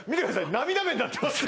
涙目なってますよ